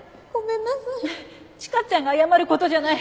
千佳ちゃんが謝る事じゃない。